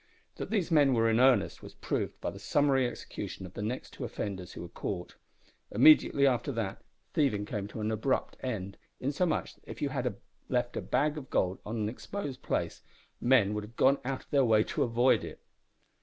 That these men were in earnest was proved by the summary execution of the next two offenders who were caught. Immediately after that thieving came to an abrupt end, insomuch that if you had left a bag of gold on an exposed place, men would have gone out of their way to avoid it!